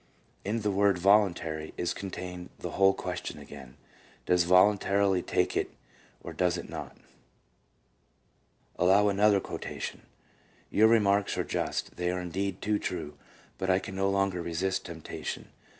2 In the word "voluntary" is contained the whole question again. Does he voluntarily take it or does he not ? Allow another quotation :—" Your re marks are just, they are indeed too true; but I can no longer resist temptation.